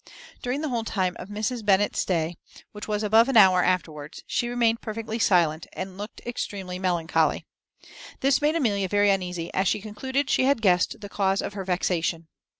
During the whole time of Mrs. Bennet's stay, which was above an hour afterwards, she remained perfectly silent, and looked extremely melancholy. This made Amelia very uneasy, as she concluded she had guessed the cause of her vexation.